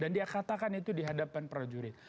dan dia katakan itu di hadapan prajurit